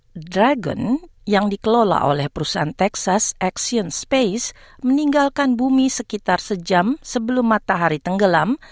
pesawat dragon yang dikelola oleh perusahaan texas action space meninggalkan bumi sekitar sejam sebelum matahari tenggelam